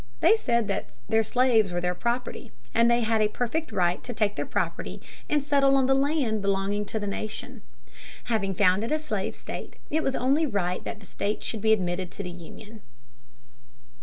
They said that their slaves were their property, and that they had a perfect right to take their property and settle on the land belonging to the nation. Having founded a slave state, it was only right that the state should be admitted to the Union.